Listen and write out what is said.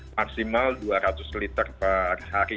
maksimal dua ratus liter per hari